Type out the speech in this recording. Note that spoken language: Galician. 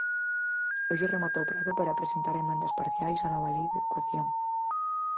Hoxe remata o prazo para presentar emendas parciais á nova Lei de educación.